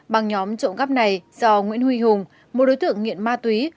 băng nhóm trộm cắp này do nguyễn huy hùng một đối tượng nghiện ma túy